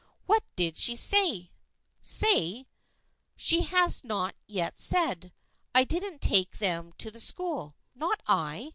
What did she say ?"" Say ! She has not yet said. I didn't take them to the school. Not I